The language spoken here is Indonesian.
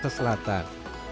di kawasan selatan